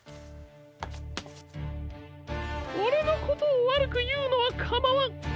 オレのことをわるくいうのはかまわん。